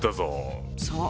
そう。